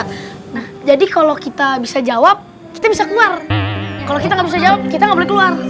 nah jadi kalau kita bisa jawab kita bisa keluar kalau kita nggak bisa jawab kita nggak boleh keluar